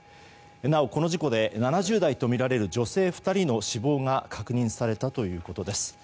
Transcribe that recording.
なお、この事故で７０代とみられる女性２人の死亡が確認されたということです。